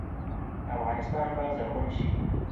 افغانستان به زرغون شي.